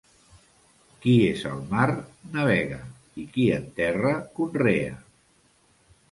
Qui és el mar, navega, i qui en terra, conrea.